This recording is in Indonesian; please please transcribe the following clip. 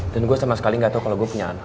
dan gue sama sekali gak tau kalau gue punya anak